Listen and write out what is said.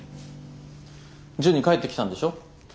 ジュニ帰ってきたんでしょ？